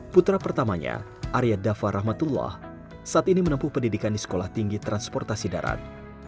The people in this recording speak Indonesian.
putra pertamanya arya dafa rahmatullah saat ini menempuh pendidikan di sekolah tinggi transportasi darat